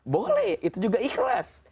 boleh itu juga ikhlas